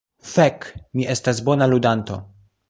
Fek, mi estas bona ludanto.